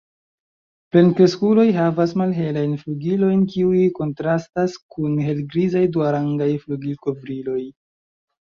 Plenkreskuloj havas malhelajn flugilojn kiuj kontrastas kun helgrizaj duarangaj flugilkovriloj.